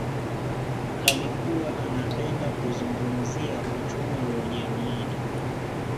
Alikuwa anapenda kuzungumzia uchumi wa ujerumani